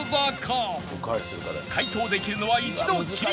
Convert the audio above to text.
解答できるのは一度きり